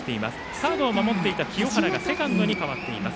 サードを守っていた清原がセカンドに代わっています。